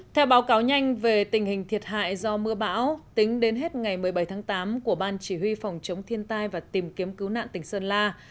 theo báo cáo nhanh về tình hình thiệt hại do mưa bão tính đến hết ngày một mươi bảy tháng tám của ban chỉ huy phòng chống thiên tai và tìm kiếm cứu nạn tỉnh sơn la